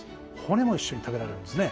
骨も一緒に食べられるんですね。